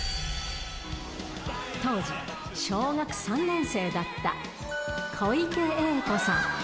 当時、小学３年生だった小池栄子さん。